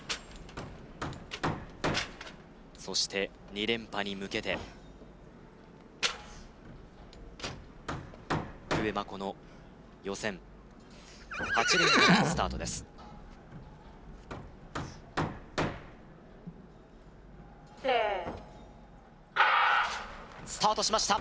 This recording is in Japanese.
そして２連覇に向けて福部真子の予選８レーンからのスタートですＳｅｔスタートしました